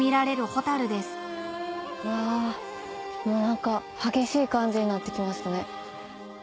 何か激しい感じになってきましたね。